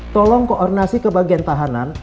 tolong koordinasi ke bagian tahanan